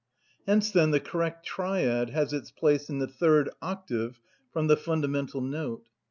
Hence, then, the correct triad has its place in the third octave from the fundamental note.